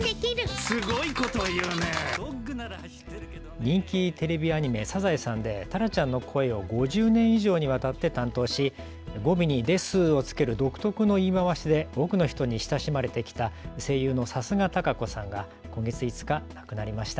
人気テレビアニメ、サザエさんでタラちゃんの声を５０年以上にわたって担当し、語尾にですをつける独特の言い回しで多くの人に親しまれてきた声優の貴家堂子さんが今月５日亡くなりました。